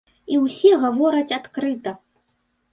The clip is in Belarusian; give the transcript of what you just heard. І ўсе гавораць адкрыта.